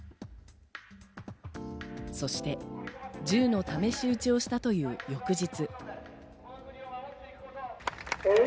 そして、銃の試し撃ちをしたという翌日。